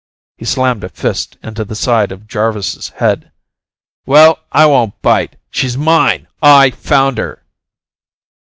He slammed a fist into the side of Jarvis' head. "Well, I won't bite! She's mine! I found her!"